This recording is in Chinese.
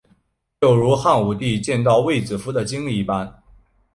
就如汉武帝见到卫子夫的经历一般。